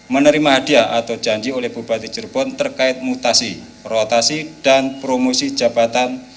menerima hadiah atau janji oleh bupati cirebon terkait mutasi rotasi dan promosi jabatan